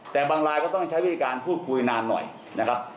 แต่บางรายก็ต้องใช้วิธีการพูดคุยนานหน่อยนะครับ